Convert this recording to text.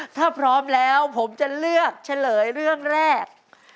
ถ้าพร้อมแล้วผมจะเลือกเฉลยเรื่องแรก